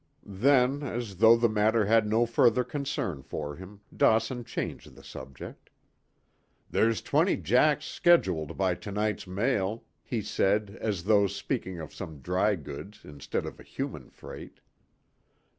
Then, as though the matter had no further concern for him, Dawson changed the subject. "There's twenty 'jacks' scheduled by to night's mail," he said, as though speaking of some dry goods instead of a human freight.